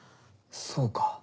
そうか。